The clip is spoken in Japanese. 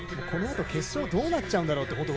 このあと決勝どうなっちゃうんだろうって